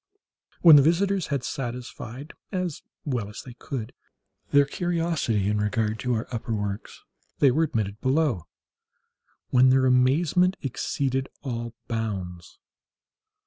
When the visitors had satisfied, as well as they could, their curiosity in regard to our upper works, they were admitted below, when their amazement exceeded all bounds.